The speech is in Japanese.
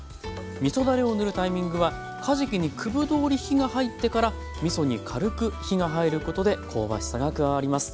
みそだれを塗るタイミングはかじきに九分どおり火が入ってからみそに軽く火が入ることで香ばしさが加わります。